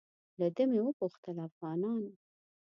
له ده مې وپوښتل افغانان.